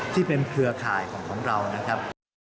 ที่เป็นเครือข่ายของของเรานะครับ